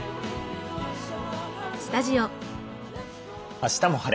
「あしたも晴れ！